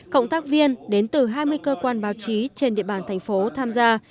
cộng tác viên đến từ hai mươi cơ quan báo chí trên địa bàn thành phố tham gia